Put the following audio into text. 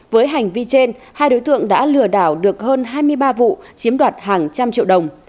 với hành vi trên hai đối tượng đã lừa đảo được hơn hai mươi ba vụ chiếm đoạt hàng trăm triệu đồng